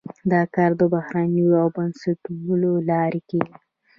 دا کار د بهیرونو او بنسټونو له لارې کیږي.